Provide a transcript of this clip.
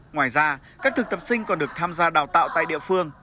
ngoài ra các thực tập sinh còn được tham gia đào tạo tại địa phương